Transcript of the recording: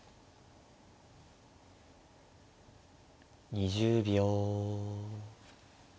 ２０秒。